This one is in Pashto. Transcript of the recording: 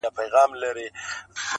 چي په کلي کي غوايي سره په جنګ سي٫